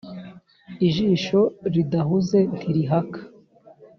Ijisho ridahuze ntirihaka.